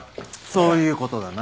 そういうことだな。